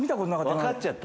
分かっちゃった？